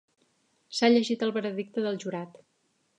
S’ha llegit el veredicte del jurat.